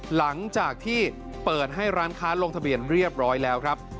หลังจากที่เปิดให้ร้านค้าลงทะเบียนเรียบร้อยแล้วครับ